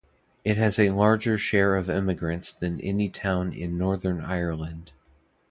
It has a larger share of immigrants than any town in Northern Ireland.